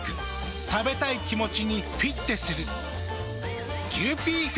食べたい気持ちにフィッテする。